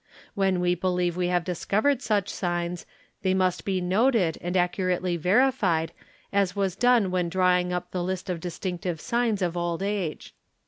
When we believe we have discovered such signs they must be noted and accu rately verified as was done when drawing up the list of distinctive . signs of old age.